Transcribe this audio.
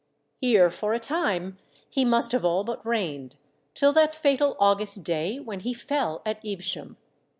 Here for a time he must have all but reigned, till that fatal August day when he fell at Evesham.